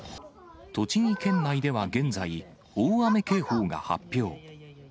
栃木県内では現在、大雨警報が発表。